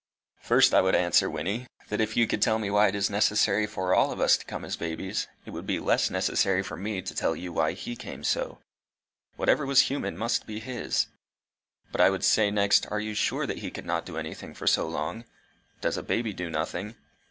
"First, I would answer, Wynnie, that if you would tell me why it is necessary for all of us to come as babies, it would be less necessary for me to tell you why he came so: whatever was human must be his. But I would say next, Are you sure that he could not do anything for so long? Does a baby do nothing?